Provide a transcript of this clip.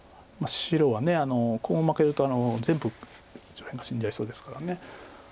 白はコウ負けると全部上辺が死んじゃいそうですから。